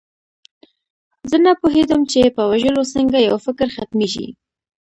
زه نه پوهېدم چې په وژلو څنګه یو فکر ختمیږي